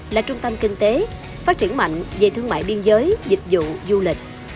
là trung tâm kinh tế phát triển mạnh về thương mại biên giới dịch vụ du lịch